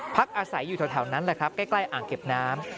พักอาศัยอยู่แถวนั้นใกล้อ่างเก็บน้ำ